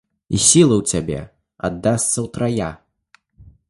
І сілы у цябе аддасца утрая.